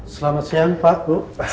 selamat siang pak